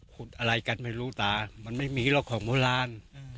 อะไรกันไม่รู้ตามันไม่มีหรอกของโบราณ